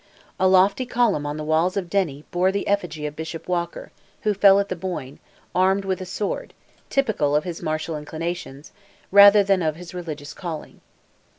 A lofty column on the walls of Derry bore the effigy of Bishop Walker, who fell at the Boyne, armed with a sword, typical of his martial inclinations, rather than of his religious calling.